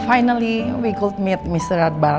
akhirnya kita bisa bertemu dengan mr radbaran